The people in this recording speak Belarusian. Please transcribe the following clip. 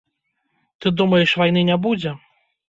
Ты думаеш, вайны не будзе?